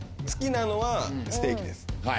好きなのは、ステーキです。